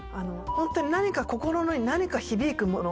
ホントに何か心に何か響くもの。